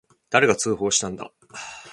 誰が通報したんだ。